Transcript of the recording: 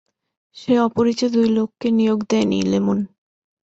সে অপরিচিত দুই লোককে নিয়োগ দেয়নি, লেমন।